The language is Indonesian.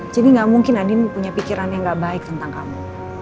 jadi enggak mungkin andin punya pikiran yang enggak baik tentang kamu